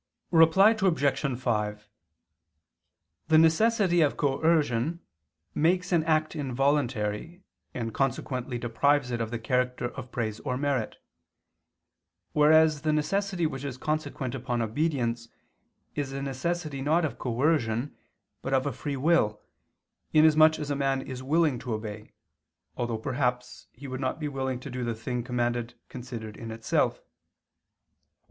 Reply Obj. 5: The necessity of coercion makes an act involuntary and consequently deprives it of the character of praise or merit; whereas the necessity which is consequent upon obedience is a necessity not of coercion but of a free will, inasmuch as a man is willing to obey, although perhaps he would not be willing to do the thing commanded considered in itself.